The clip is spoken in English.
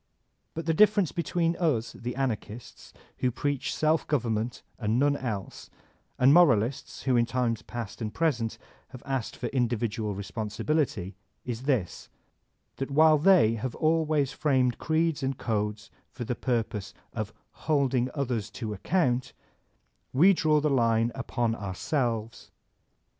But the difference between us, the Anarchists, who preach self government and none else, and Moralists who in times past and present have asked for individual re qioosibiltty, is this, that while they have always framed QuBCE AND Punishment 179 creeds and codes for the purpose of holding othits to aecoumt, we draw the line upon ourselves.